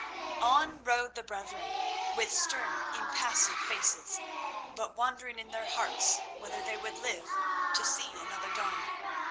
On rode the brethren, with stern, impassive faces, but wondering in their hearts whether they would live to see another dawn.